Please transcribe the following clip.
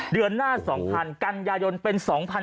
เดือนหน้า๒๐๐กันยายนเป็น๒๕๖๒